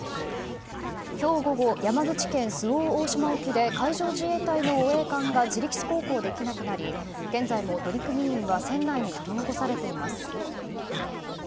今日午後山口県周防大島沖で海上自衛隊の護衛艦が自力航行できなくなり現在も乗組員は船内に取り残されています。